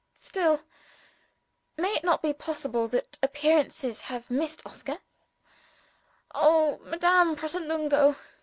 Still may it not be possible that appearances have misled Oscar? Oh, Madame Pratolungo!